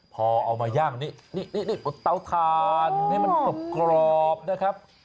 พอเอามาย่างนี่ปลดเตาทานให้มันกรอบนะครับ